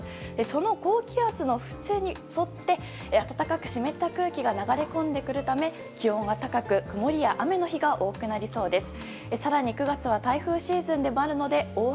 その高気圧の縁に沿って暖かく湿った空気が流れ込んでくるため気温は高く曇りや雨の日が多くなりそうです。